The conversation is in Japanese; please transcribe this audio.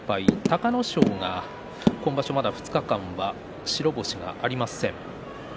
隆の勝はまだ２日間白星がありません。